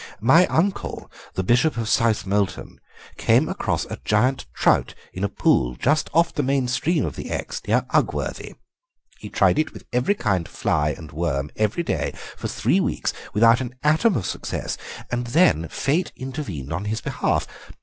"My uncle, the Bishop of Southmolton, came across a giant trout in a pool just off the main stream of the Exe near Ugworthy; he tried it with every kind of fly and worm every day for three weeks without an atom of success, and then Fate intervened on his behalf.